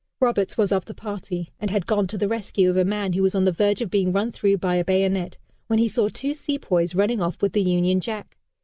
Roberts was of the party and had gone to the rescue of a man who was on the verge of being run through by a bayonet, when he saw two sepoys running off with the Union Jack.